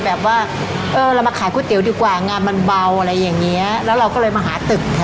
แล้วก็จำมาจากเมืองจีนเลยอ่ามีอร่าวมากมาด้วยแม่เขาอะค่ะ